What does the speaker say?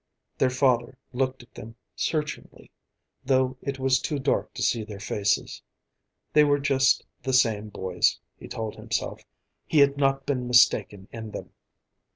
Their father looked at them searchingly, though it was too dark to see their faces; they were just the same boys, he told himself, he had not been mistaken in them.